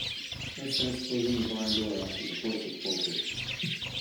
No sense closing the barn door after the horse has bolted.